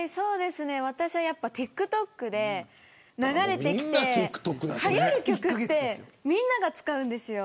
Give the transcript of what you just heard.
私はやっぱＴｉｋＴｏｋで流れてきてはやる曲ってみんなが使うんですよ。